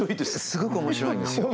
すごく面白いんですよ。